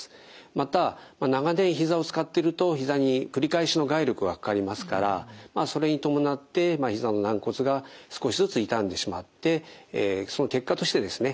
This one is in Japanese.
また長年ひざを使っているとひざに繰り返しの外力がかかりますからそれに伴ってひざの軟骨が少しずつ傷んでしまってその結果としてですね